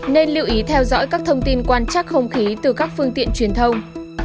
nên lưu ý theo dõi các thông tin quan trắc không khí từ các phương tiện truyền thông